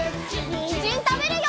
にんじんたべるよ！